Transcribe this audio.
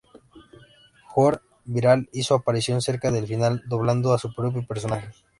Gore Vidal hizo aparición cerca del final doblando a su propio personaje.